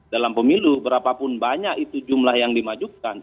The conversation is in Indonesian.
dalam pemilu berapapun banyak itu jumlah yang dimajukan